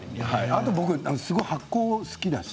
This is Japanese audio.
あと僕すごい発酵好きだし。